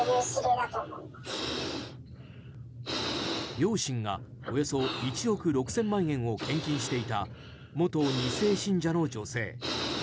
両親がおよそ１億６０００万円を献金していた元２世信者の女性。